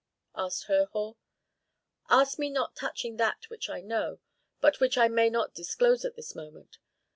asked Herhor. "Ask me not touching that which I know, but which I may not disclose at this moment.